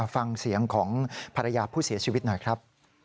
ฟังเสียงของภรรยาผู้เสียชีวิตหน่อยครับ